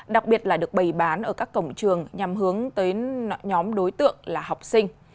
đặc biệt là được bày bán ở các cổng trường nhằm hướng tới nhóm đối tượng là học sinh